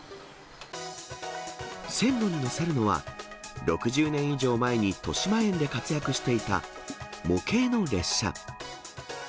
線路に乗せるのは、６０年以上前にとしまえんで活躍していた、模型の列車。